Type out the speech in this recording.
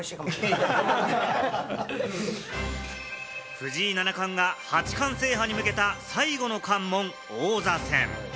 藤井七冠が八冠制覇に向けた最後の関門、王座戦。